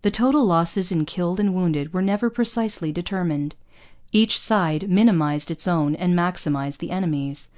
The total losses in killed and wounded were never precisely determined. Each side minimized its own and maximized the enemy's.